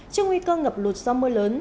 trước nguy cơ ngập lụt do mưa lớn